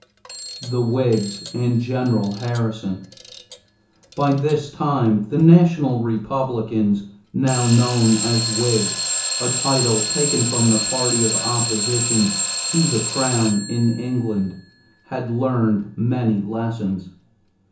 =The Whigs and General Harrison.= By this time, the National Republicans, now known as Whigs a title taken from the party of opposition to the Crown in England, had learned many lessons.